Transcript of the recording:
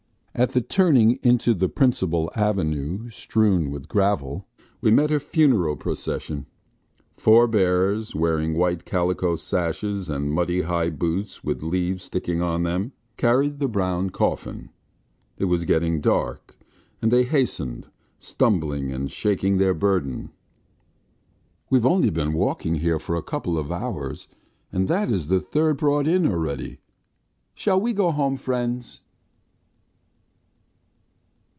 At the turning into the principal avenue strewn with gravel, we met a funeral procession. Four bearers, wearing white calico sashes and muddy high boots with leaves sticking on them, carried the brown coffin. It was getting dark and they hastened, stumbling and shaking their burden. ... "We've only been walking here for a couple of hours and that is the third brought in already. ... Shall we go home, friends?"